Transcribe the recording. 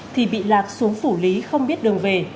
thì bị lạc xuống phủ lý không biết đường về